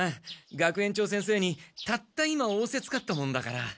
学園長先生にたった今おおせつかったもんだから。